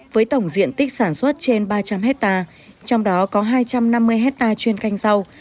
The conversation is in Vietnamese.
với tổng diện tích sản xuất trên ba trăm linh hectare trong đó có hai trăm năm mươi hectare chuyên canh rau